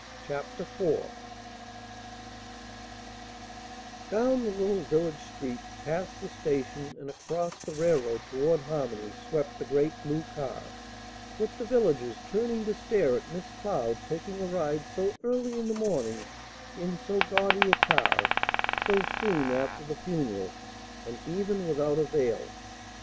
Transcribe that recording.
CHAPTER IV Down the little village street, past the station, and across the railroad toward Harmony swept the great blue car, with the villagers turning to stare at Miss Cloud taking a ride so early in the morning in so gaudy a car, so soon after the funeral, and even without a veil!